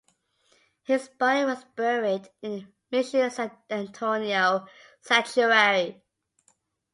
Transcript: His body was buried in the Mission San Antonio sanctuary.